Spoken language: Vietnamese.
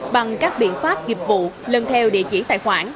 bằng các biện pháp nghiệp vụ lần theo địa chỉ tài khoản